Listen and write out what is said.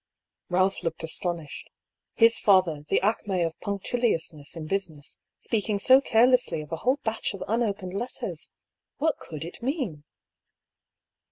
Balph looked astonished. His father, the acm6 of punctiliousness in business, speaking so carelessly of a whole batch of unopened letters! What could it mean?